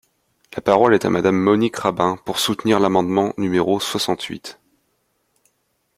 La parole est à Madame Monique Rabin, pour soutenir l’amendement numéro soixante-huit.